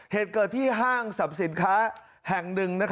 เหตุเกิดที่ห้างสรรพสินค้าแห่งหนึ่ง